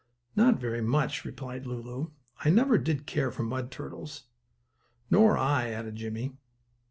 "Not very much," replied Lulu. "I never did care for mud turtles." "Nor I," added Jimmie.